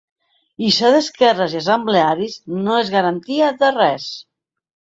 I ser d’esquerres i assemblearis no és garantia de res.